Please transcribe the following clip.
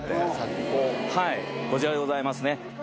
こちらでございますね